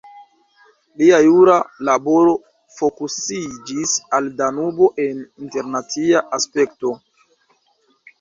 Lia jura laboro fokusiĝis al Danubo en internacia aspekto.